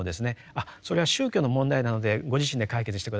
あっそれは宗教の問題なのでご自身で解決して下さい。